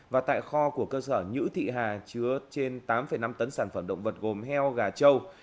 và tại kho của cơ sở nhữ thị hà chứa trên tám năm tấn sản phẩm động vật gồm heo gà châu